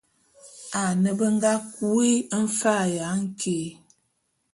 Ane be nga kui mfa'a ya nké.